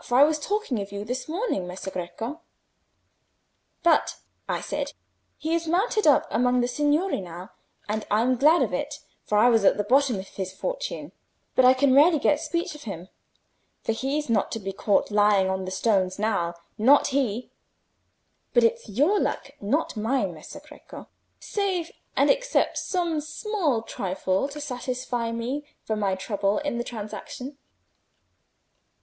For I was talking of you this morning, Messer Greco; but, I said, he is mounted up among the signori now—and I'm glad of it, for I was at the bottom of his fortune—but I can rarely get speech of him, for he's not to be caught lying on the stones now—not he! But it's your luck, not mine, Messer Greco, save and except some small trifle to satisfy me for my trouble in the transaction."